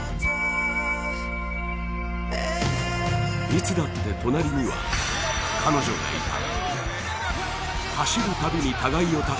いつだって隣には、彼女がいた。